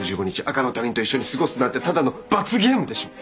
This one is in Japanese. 赤の他人と一緒に過ごすなんてただの罰ゲームでしょ。